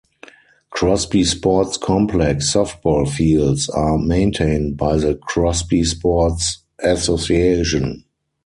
Crosby Sports Complex softball fields are maintained by the Crosby Sports Association.